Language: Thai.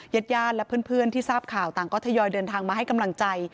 ญาติญาติและเพื่อนที่ทราบข่าวต่างก็ทยอยเดินทางมาให้กำลังใจ